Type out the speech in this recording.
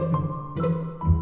pindah dalem ya